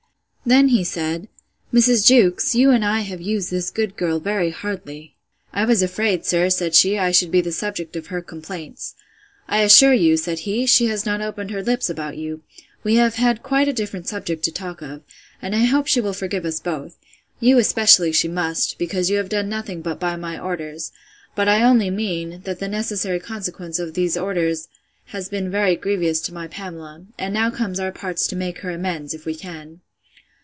Then he said, Mrs. Jewkes, you and I have used this good girl very hardly.—I was afraid, sir, said she, I should be the subject of her complaints.—I assure you, said he, she has not opened her lips about you. We have had a quite different subject to talk of; and I hope she will forgive us both: You especially she must; because you have done nothing but by my orders. But I only mean, that the necessary consequence of those orders has been very grievous to my Pamela: And now comes our part to make her amends, if we can.